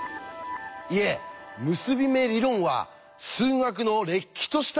いえ「結び目理論」は数学のれっきとした一分野なんです。